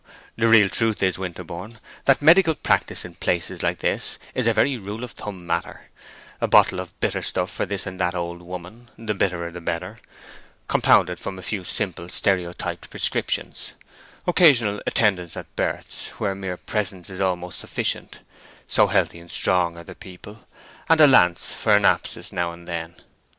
The real truth is, Winterborne, that medical practice in places like this is a very rule of thumb matter; a bottle of bitter stuff for this and that old woman—the bitterer the better—compounded from a few simple stereotyped prescriptions; occasional attendance at births, where mere presence is almost sufficient, so healthy and strong are the people; and a lance for an abscess now and then.